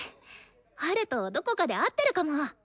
ハルとどこかで会ってるかも。